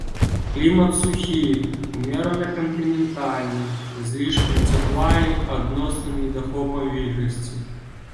Клімат сухі, умерана-кантынентальны з лішкам цяпла і адносным недахопам вільгаці.